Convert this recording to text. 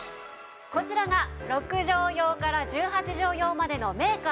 こちらが６畳用から１８畳用までのメーカー